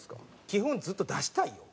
基本ずっと出したいよ。